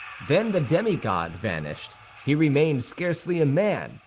Then the demigod vanished; he remained scarcely a man.